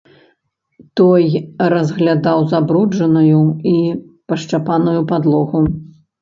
Той разглядаў забруджаную і пашчапаную падлогу.